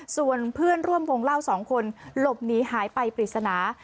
ส่วนเพื่อนร่วมวงเล่าสองคนหลบหนีหายไปปริศนา